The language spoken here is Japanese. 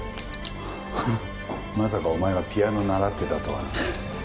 ハハッまさかお前がピアノ習ってたとはな。